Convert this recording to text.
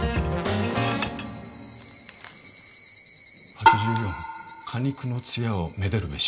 「８４果肉の艶を愛でるべし」。